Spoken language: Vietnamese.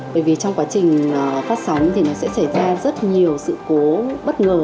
bởi vì trong quá trình phát sóng thì nó sẽ xảy ra rất nhiều sự cố bất ngờ